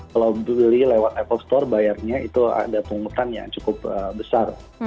kalau beli lewat apple store bayarnya itu ada penghutang yang cukup besar